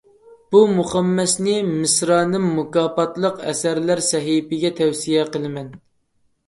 بۇ مۇخەممەسنى مىسرانىم مۇكاپاتلىق ئەسەرلەر سەھىپىگە تەۋسىيە قىلىمەن.